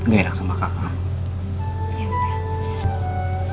gak enak sama kakak